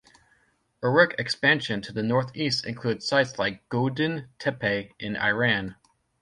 Uruk expansion to the northeast included sites like Godin Tepe in Iran.